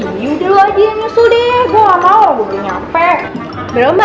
iyuh dulu aja nyusul deh gue gak mau gue udah nyampe